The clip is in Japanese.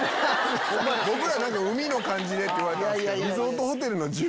僕ら海の感じでって言われたんすけど。